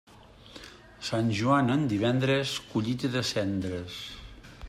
Sant Joan en divendres, collita de cendres.